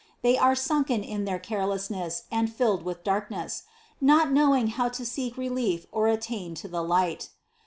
They are sunken in their careless ness and filled with darkness, not knowing how to seek relief or attain to the light.